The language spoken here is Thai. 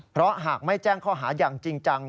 เพราะหากไม่แจ้งข้อหาอย่างจริงจัง